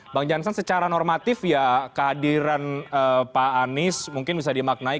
bang jansan secara normatif ya kehadiran pak anies mungkin bisa dimaknai